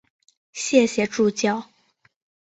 谢谢助教